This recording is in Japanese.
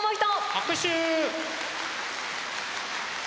拍手！